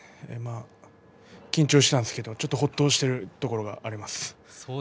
緊張していたんですけどもちょっとほっとしたところがあります。